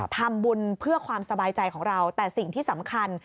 ทำบุญเพื่อความสบายใจของเราแต่สิ่งที่สำคัญ